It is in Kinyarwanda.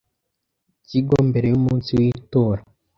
kigo mbere y umunsi w itora